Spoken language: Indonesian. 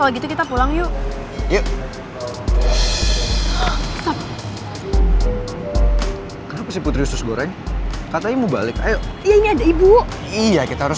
waduh kalau om airos tau bisa gawat nih